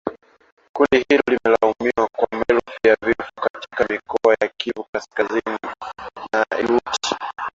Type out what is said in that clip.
Kundi hilo limelaumiwa kwa maelfu ya vifo katika mikoa ya Kivu Kaskazini na Ituri